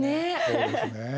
そうですね。